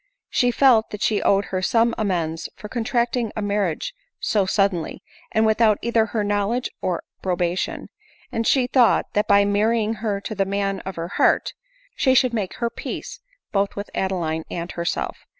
She felt that she owed her some amends for contracting a marriage so suddenly, and without either her knowledge or approba tion ; and she thought that by marrying her to the man of her heart, she should make her peace both with Ade line and herself.